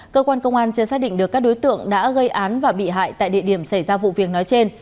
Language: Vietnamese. cơ quan công an chưa xác định được các đối tượng đã gây án và bị hại tại địa điểm xảy ra vụ việc nói trên